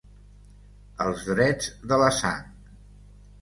Els drets de la sang.